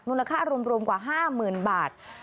ค่ารวมกว่า๕๐๐๐บาท